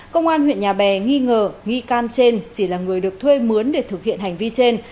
công an huyện nhà bè nghi ngờ nghi can trên chỉ là người được thuê mướn để thực hiện hành vi trên